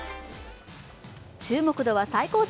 注目度は最高潮。